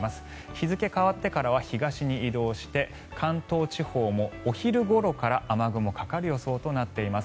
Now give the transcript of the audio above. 日付変わってからは東に移動して関東地方もお昼ごろから雨雲かかる予想となっています。